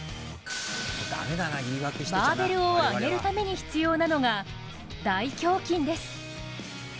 バーベルを上げるために必要なのが大胸筋です。